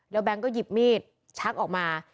แล้วแบงค์ก็หยิบมีดชักออกมา